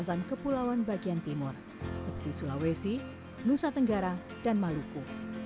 kawasan kepulauan bagian timur seperti sulawesi nusa tenggara dan maluku